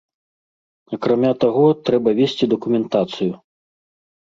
Акрамя таго, трэба весці дакументацыю.